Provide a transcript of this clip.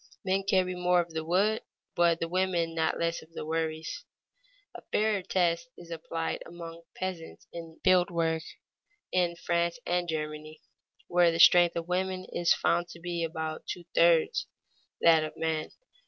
Men carry more of the wood, but the women not less of the worries. A fairer test is applied among peasants in field work in France and Germany, where the strength of women is found to be about two thirds that of men.